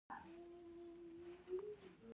افغانستان د ګاز په اړه مشهور تاریخی روایتونه لري.